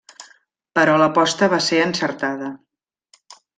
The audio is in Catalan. Però l'aposta va ser encertada.